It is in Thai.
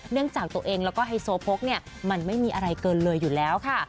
จากตัวเองแล้วก็ไฮโซโพกเนี่ยมันไม่มีอะไรเกินเลยอยู่แล้วค่ะ